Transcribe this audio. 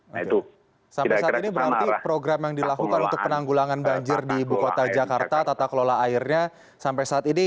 masyarakat harus bertanggung jawab juga terhadap banjir